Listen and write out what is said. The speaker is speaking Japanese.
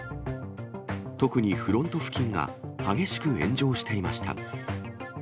特にフロント付近が激しく炎上していました。